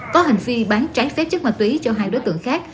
có hành vi bán trái phép chất ma túy cho hai đối tượng khác